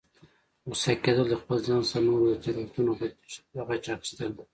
غوسه کیدل، د خپل ځان څخه د نورو د تیروتنو د غچ اخستل دي